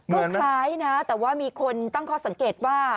ก็คล้ายนะแต่ว่ามีคนตั้งข้อสังเกตว่า